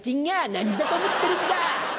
何時だと思ってるんだ！